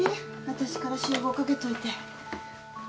私から集合かけといて。